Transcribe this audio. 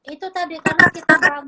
itu tadi karena kita berangkat dalam hal ini